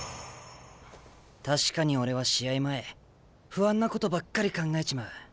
確かに俺は試合前不安なことばっかり考えちまう。